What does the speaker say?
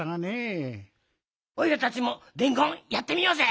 おいらたちもでんごんやってみようぜ！